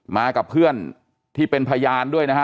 มากับเพื่อนที่เป็นพยานด้วยนะฮะ